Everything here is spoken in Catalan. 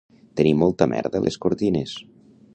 Tenir molta merda a les cortines